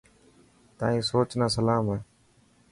تائن سوچ نا سلام هي.